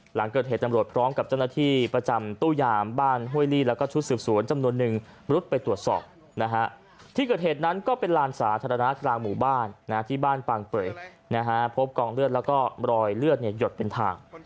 หลังเกิดเหตุตำรวจพร้อมกับเจ้าหน้าที่ประจำตู้ยามบ้านห้วยลี่แล้วก็ชุดสืบสวนจำนวนนึงรุดไปตรวจสอบนะฮะที่เกิดเหตุนั้นก็เป็นลานสาธารณะกลางหมู่บ้านที่บ้านปางเป่ยนะฮะพบกองเลือดแล้วก็รอยเลือดหยดเป็นทาง